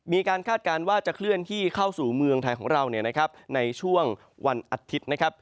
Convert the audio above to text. คาดการณ์ว่าจะเคลื่อนที่เข้าสู่เมืองไทยของเราในช่วงวันอาทิตย์นะครับ